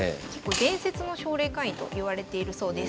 伝説の奨励会員と言われているそうです。